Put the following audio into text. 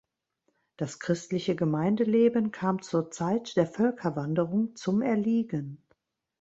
Das christliche Gemeindeleben kam zur Zeit der Völkerwanderung zum Erliegen.